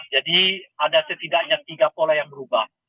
jadi ada setidaknya tiga pola yang berubah